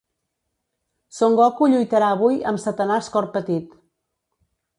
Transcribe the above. Son Goku lluitarà avui amb Satanàs Cor Petit.